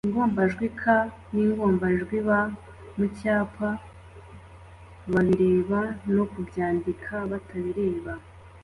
ingombajwi k n’ingombajwi b mu cyapa babireba no kubyandika batabireba